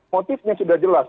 motifnya sudah jelas